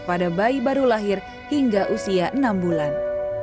pada bayi baru lahir hingga usia enam bulan